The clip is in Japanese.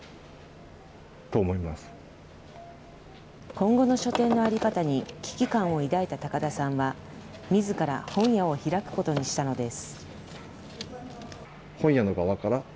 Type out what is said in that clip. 今後の書店の在り方に危機感を抱いた高田さんは、みずから本屋を開くことにしたのです。